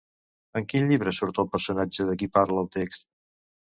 En quin llibre surt el personatge de qui parla el text?